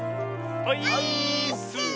オイーッス！